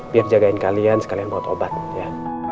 biar jagain kalian sekalian buat obat ya